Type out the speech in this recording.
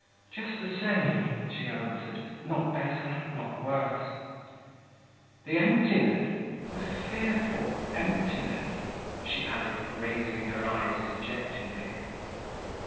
'Just the same,' she answered, 'not better, nor worse. The emptiness, the fearful emptiness!' she added, raising her eyes dejectedly.